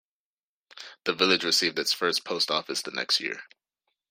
The village received its first post office the next year.